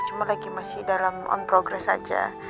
cuma lagi masih dalam on progress saja